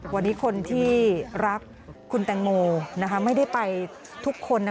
วันนี้คนที่รักคุณแตงโมไม่ได้ไปทุกคน